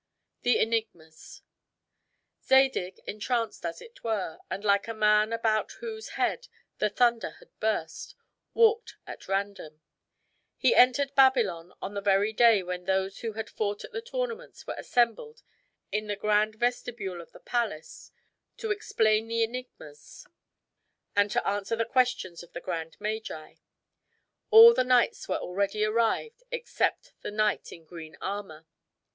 THE ENIGMAS Zadig, entranced, as it were, and like a man about whose head the thunder had burst, walked at random. He entered Babylon on the very day when those who had fought at the tournaments were assembled in the grand vestibule of the palace to explain the enigmas and to answer the questions of the grand magi. All the knights were already arrived, except the knight in green armor.